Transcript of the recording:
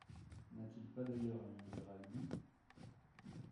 N’a-t-il pas d’ailleurs un univers à lui?